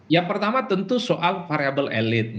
yang pertama tentu soal variable elit